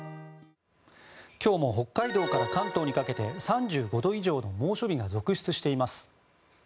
今日も北海道から関東にかけて３５度以上の猛暑日が続出しています。